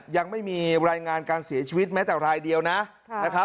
ยังไม่มีรายงานการเสียชีวิตแม้แต่รายเดียวนะครับ